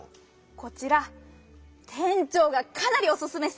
こちらてんちょうがかなりおすすめしてます。